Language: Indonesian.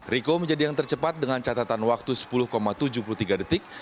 rico menjadi yang tercepat dengan catatan waktu sepuluh tujuh puluh tiga detik